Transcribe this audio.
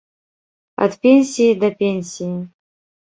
Ад пенсіі да пенсіі.